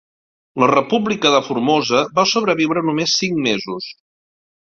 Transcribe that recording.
La República de Formosa va sobreviure només cinc mesos.